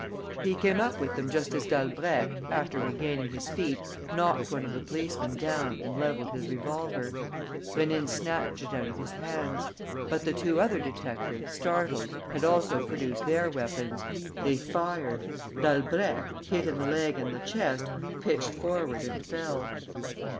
He came up with them just as Dalbrèque, after regaining his feet, knocked one of the policemen down and levelled his revolver. Rénine snatched it out of his hands. But the two other detectives, startled, had also produced their weapons. They fired. Dalbrèque, hit in the leg and the chest, pitched forward and fell.